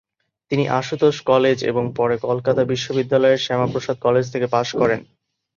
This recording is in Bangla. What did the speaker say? তিনি আশুতোষ কলেজ এবং পরে কলকাতা বিশ্ববিদ্যালয়ের শ্যামাপ্রসাদ কলেজ থেকে পাস করেন।